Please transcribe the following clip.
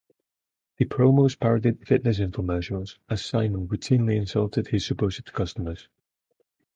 The promos parodied fitness infomercials, as Simon routinely insulted his supposed customers.